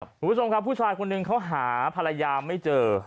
คุณผู้ชมครับผู้ชายคนหนึ่งเขาหาภรรยาไม่เจอ